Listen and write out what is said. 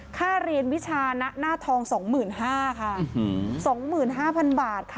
ค่าเรียนวิชานะนาดทอง๒๕๐๐๐บาทค่ะ